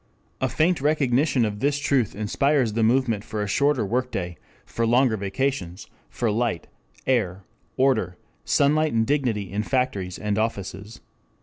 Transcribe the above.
A faint recognition of this truth inspires the movement for a shorter work day, for longer vacations, for light, air, order, sunlight and dignity in factories and offices.